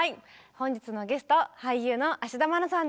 本日のゲスト俳優の田愛菜さんです。